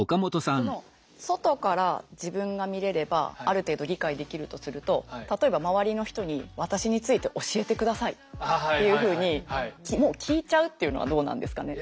その外から自分が見れればある程度理解できるとすると例えば周りの人に私について教えてくださいっていうふうにもう聞いちゃうっていうのはどうなんですかね？